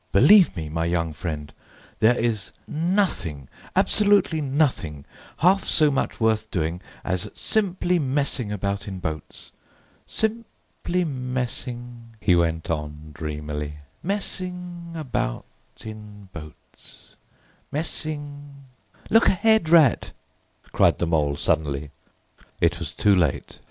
"Believe me, my young friend, there is nothing—absolute nothing—half so much worth doing as simply messing about in boats. Simply messing," he went on dreamily: "messing—about—in—boats; messing——" "Look ahead, Rat!" cried the Mole suddenly. It was too late.